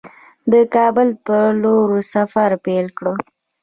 د کابل پر لور سفر پیل کړ.